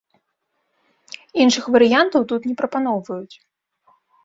Іншых варыянтаў тут не прапаноўваюць.